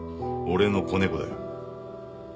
俺の子猫だよ。